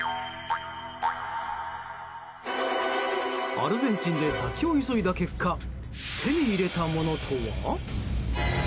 アルゼンチンで先を急いだ結果手に入れたものとは？